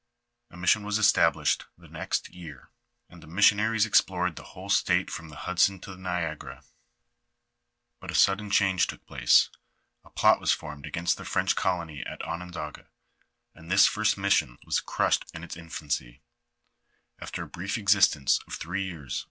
A mission was established the next year, and the missionaries explored the whole state from the Hnd LIFE OF FATREB MABQUETTX. xlr flon to the Niagara; but a sudden change took place— a plot was formed against the French colony at Onondaga, and this first mission was crushed in its infancy, after a brief existence of three years.